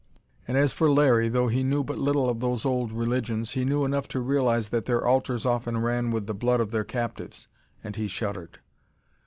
And as for Larry, though he knew but little of those old religions, he knew enough to realize that their altars often ran with the blood of their captives, and he shuddered.